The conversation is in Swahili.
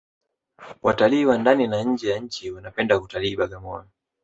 watalii wa ndani na nje ya nchi wanapenda kutalii bagamoyo